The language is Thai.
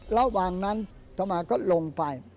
ระหว่างนั้นต่อมาก็ลงไป